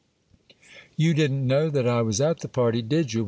'You didn't know that I was at the party, did you?